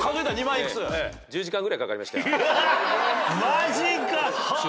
マジか！